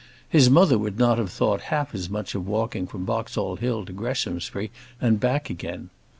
His mother would not have thought half as much of walking from Boxall Hill to Greshamsbury and back again.